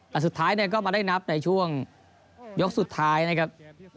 แต่สุดท้ายเนี่ยก็มาได้นับในช่วงยกสุดท้ายนะครับ